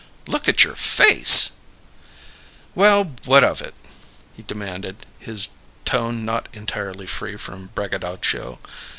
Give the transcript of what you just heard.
"Look at your face!" "Well, what of it?" he demanded, his tone not entirely free from braggadocio.